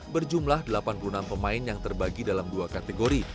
berjumlah delapan puluh enam pemain yang terbagi dalam dua kategori